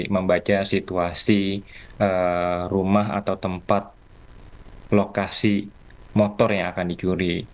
membaca situasi rumah atau tempat lokasi motor yang akan dicuri